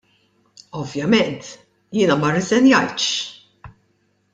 Ovvjament jiena ma rriżenjajtx.